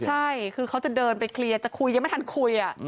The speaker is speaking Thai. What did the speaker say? ใช่คือเขาจะเดินไปเคลียร์จะคุยยังไม่ทันคุย